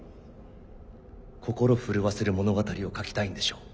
心震わせる物語を書きたいんでしょう。